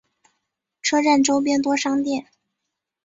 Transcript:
车站周边多商店。